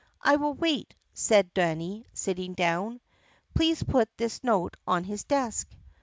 "I will wait," said Danny sitting down. "Please put this note on his desk."